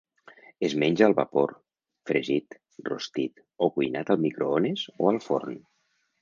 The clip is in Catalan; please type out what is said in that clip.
Es menja al vapor, fregit, rostit o cuinat al microones o al forn.